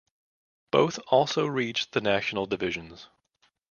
Both also reached the national divisions.